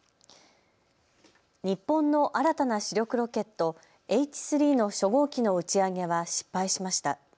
日本の新たな主力ロケット、Ｈ３の初号機の打ち上げは失敗しました。